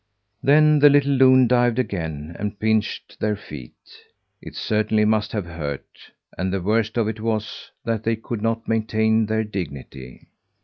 Then the little loon dived again, and pinched their feet. It certainly must have hurt; and the worst of it was, that they could not maintain their dignity.